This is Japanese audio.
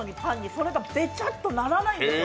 それがべちゃっとならないんですよ。